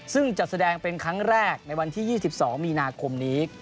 ซึ่งจัดแสดงเป็นครั้งแรกในวันที่๒๒มีนาคมนี้